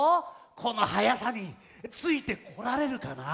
このはやさについてこられるかな？